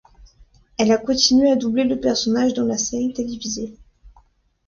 Elle a continué à doubler le personnage dans la série télévisée.